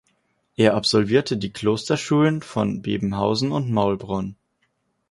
Er absolvierte die Klosterschulen von Bebenhausen und Maulbronn.